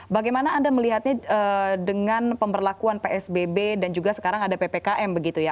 bagaimana anda melihatnya dengan pemberlakuan psbb dan juga sekarang ada ppkm begitu ya